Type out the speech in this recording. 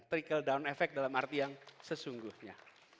trickle down effect dalam arti yang sesungguhnya